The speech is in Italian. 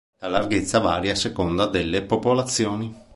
La larghezza varia a seconda delle popolazioni.